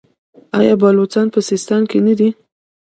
آیا بلوڅان په سیستان کې نه دي؟